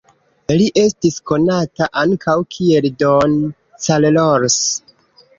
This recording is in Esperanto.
Li estis konata ankaŭ kiel Don Carlos.